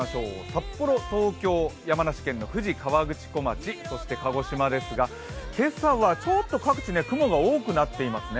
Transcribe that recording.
札幌、東京、山梨県の富士河口湖町、そして鹿児島ですが今朝はちょっと雲が多くなってますね。